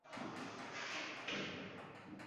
Ustiga ustak, neft konlari haqida hech nimani bilmaysan